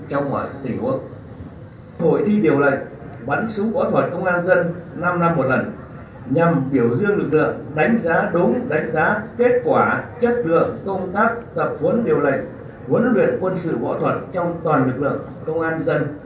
hội thi điều lệnh bắn súng võ thuật công an dân năm năm một lần nhằm biểu dương lực lượng đánh giá đúng đánh giá kết quả chất lượng công tác tập huấn điều lệnh huấn luyện quân sự võ thuật trong toàn lực lượng công an nhân dân